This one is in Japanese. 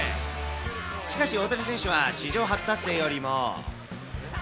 しかし大谷選手は史上初達成よりも。